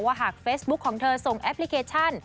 หากเฟซบุ๊คของเธอส่งแอปพลิเคชัน